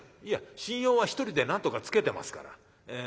「いや信用は１人でなんとかつけてますから。